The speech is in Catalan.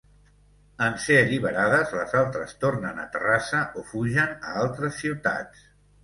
En ser alliberades, les altres tornen a Terrassa o fugen a altres ciutats.